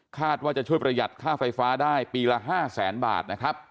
ว่าจะช่วยประหยัดค่าไฟฟ้าได้ปีละ๕แสนบาทนะครับ